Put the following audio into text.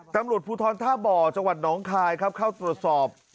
ตำรวจภูทรท่าบ่อจังหวัดน้องคายครับเข้าตรวจสอบ